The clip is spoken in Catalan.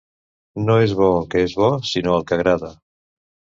No és bo el que és bo, sinó el que agrada.